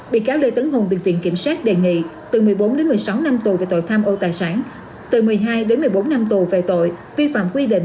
bị cáo lê tấn hùng bị viện kiểm sát đề nghị từ một mươi bốn đến một mươi sáu năm tù về tội tham ô tài sản từ một mươi hai đến một mươi bốn năm tù về tội vi phạm quy định